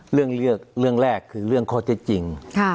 เรื่องแรกคือเรื่องข้อเท็จจริง